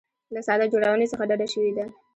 له ساده جوړونې څخه ډډه شوې ده.